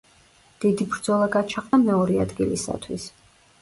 დიდი ბრძოლა გაჩაღდა მეორე ადგილისათვის.